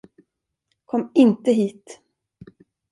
Kom inte hit.